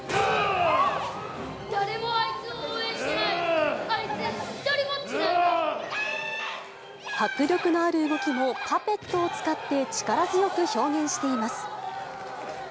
誰もあいつを応援しない、迫力のある動きも、パペットを使って、力強く表現しています。